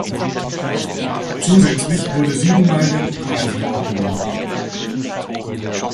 Zusätzlich wurde siebenmal der Pokalsieg errungen.